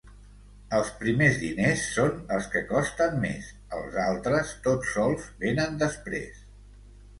Els primers diners són els que costen més; els altres tots sols venen després.